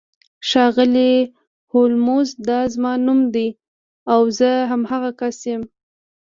ښاغلی هولمز دا زما نوم دی او زه همغه کس یم